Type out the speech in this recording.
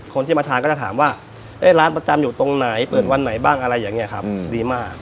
คนที่มาทานก็จะถามว่าร้านประจำอยู่ตรงไหนเปิดวันไหนบ้างอะไรอย่างนี้ครับดีมาก